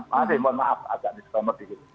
maaf maaf agak disclaimer dikit